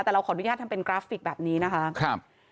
แต่เราขออนุญาตทำเป็นกราฟิกแบบนี้นะคะ